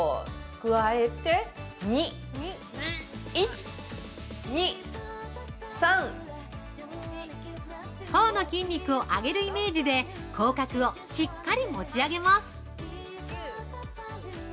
くわえて「ニ」１、２、３。◆頬の筋肉を上げるイメージで口角をしっかり持ち上げます。